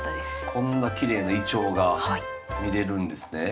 こんなきれいなイチョウが見れるんですね。